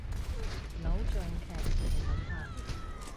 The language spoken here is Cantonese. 偶像劇係噉拍！